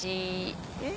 えっ？